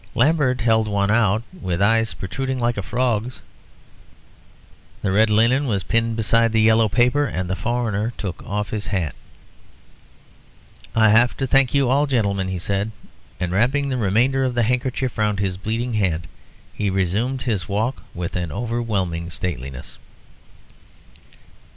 Lambert held one out, with eyes protruding like a frog's. The red linen was pinned beside the yellow paper, and the foreigner took off his hat. "I have to thank you all, gentlemen," he said; and wrapping the remainder of the handkerchief round his bleeding hand, he resumed his walk with an overwhelming stateliness.